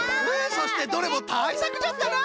そしてどれもたいさくじゃったな！